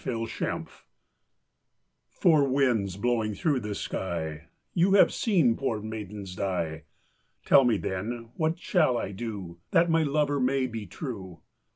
Four Winds "Four winds blowing through the sky, You have seen poor maidens die, Tell me then what I shall do That my lover may be true."